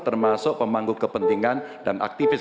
termasuk pemangku kepentingan dan aktivis